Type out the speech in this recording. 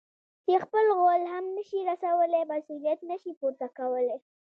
چې خپل غول هم نه شي رسولاى؛ مسؤلیت نه شي پورته کولای.